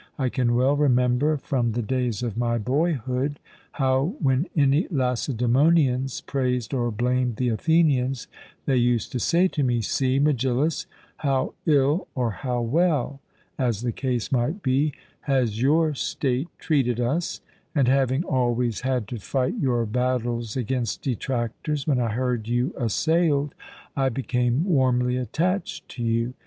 I can well remember from the days of my boyhood, how, when any Lacedaemonians praised or blamed the Athenians, they used to say to me, 'See, Megillus, how ill or how well,' as the case might be, 'has your state treated us'; and having always had to fight your battles against detractors when I heard you assailed, I became warmly attached to you.